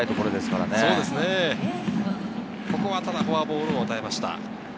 ただ、ここはフォアボールを与えました。